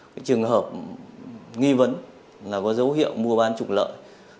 cái trường hợp nghi vấn là có dấu hiệu mua bán trục lợi